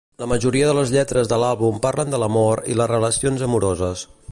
La majoria de les lletres de l'àlbum parlen de l'amor i les relacions amoroses.